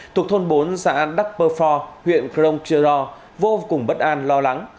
thuộc thôn bốn xã đắc pơ phò huyện crong chê rò vô cùng bất an lo lắng